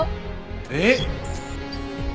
えっ！？